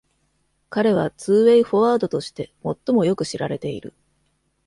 彼はツーウェイフォワードとして最もよく知られている。